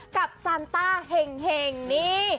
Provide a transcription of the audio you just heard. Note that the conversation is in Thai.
กับซานต้าเฮ่งนี่